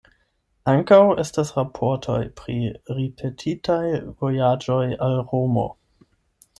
Ankaŭ estas raportoj pri ripetitaj vojaĝoj al Romo.